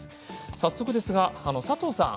早速ですが佐藤さん